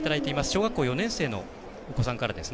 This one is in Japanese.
小学校４年生のお子さんからです。